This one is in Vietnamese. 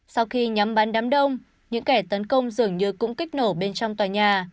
sau khi nhắm bán đám đông những kẻ tấn công dường như cũng kích nổ bên trong tòa nhà